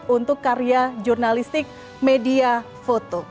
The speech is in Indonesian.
untuk karya jurnalistik media foto